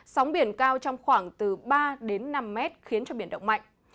sóng biển cao trong khoảng từ ba đến năm mét khiến cho biển động mạnh